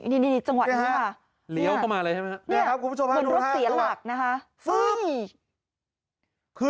ไอ้ยนี่ดิจังหวะนี้ค่ะ